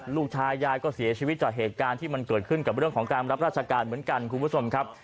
ลูกชายยายก็เสียชีวิตจากเหตุการณ์ที่มันเกิดขึ้นกับเรื่องของการรับราชการเหมือนกันคุณผู้ชมครับ